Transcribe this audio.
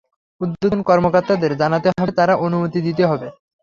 ঊর্ধ্বতন কর্মকর্তাদের জানাতে হবে, তারা অনুমতি দিতে হবে।